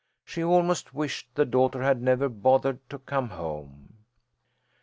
She almost wished the daughter had never bothered to come home.